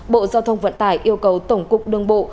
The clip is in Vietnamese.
bộ giao thông vận tải yêu cầu tổng cục đương bộ